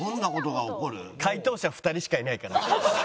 解答者２人しかいないから。